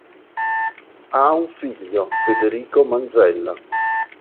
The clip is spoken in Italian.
Ha un figlio, Federico Manzella.